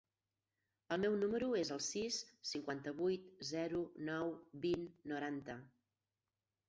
El meu número es el sis, cinquanta-vuit, zero, nou, vint, noranta.